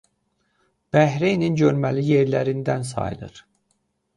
Bəhreynin görməli yerlərindən sayılır.